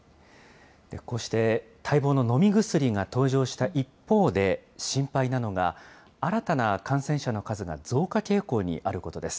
こうして待望の飲み薬が登場した一方で、心配なのが、新たな感染者の数が増加傾向にあることです。